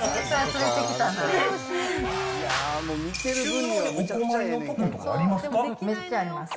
めっちゃあります。